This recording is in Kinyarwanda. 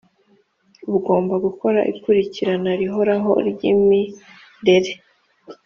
bugomba gukora ikurikirana rihoraho ry imirere